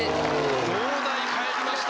農大、入りました。